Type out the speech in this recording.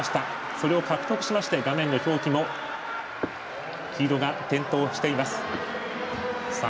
それを獲得しまして画面の表記も黄色が点灯しています。